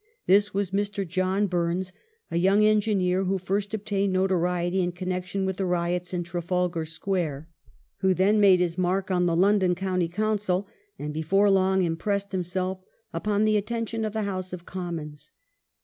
This was Mr. John Bums, a young engineer, who first obtained notoriety in connection with the riots in Trafalgar Square, who then made his mark on the London County Council, and before long impressed himself upon the attention of the House of Commons.